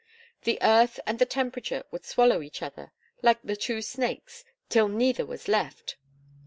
The earth and the temperature would swallow each other, like the two snakes, till neither was left.